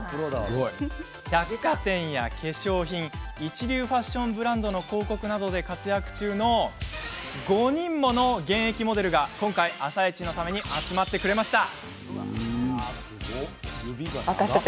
百貨店や化粧品一流ファッションブランドの広告などで活躍中の５人もの現役モデルが今回「あさイチ」のために集まってくれました。